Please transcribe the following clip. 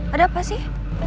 ada apa sih